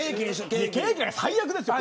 最悪ですよ。